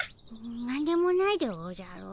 なんでもないでおじゃる。